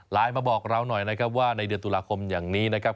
มาบอกเราหน่อยนะครับว่าในเดือนตุลาคมอย่างนี้นะครับ